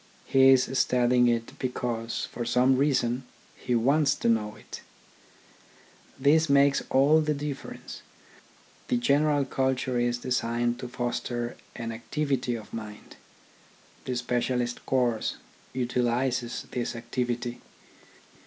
He is studying it because, for some reason, he wants to know it. This makes all the difference. The general culture is designed to foster an activity of mind ; the specialist course utilises this activity.